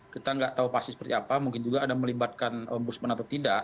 kita nggak tahu pasti seperti apa mungkin juga ada melibatkan ombudsman atau tidak